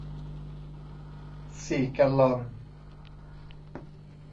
สี่แกลลอน